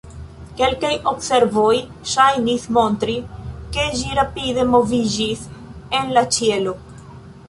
Kelkaj observoj ŝajnis montri, ke ĝi rapide moviĝis en la ĉielo.